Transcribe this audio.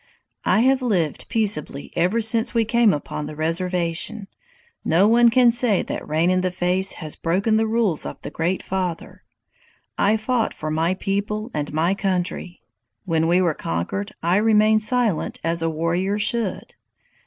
"I have lived peaceably ever since we came upon the reservation. No one can say that Rain in the Face has broken the rules of the Great Father. I fought for my people and my country. When we were conquered I remained silent, as a warrior should.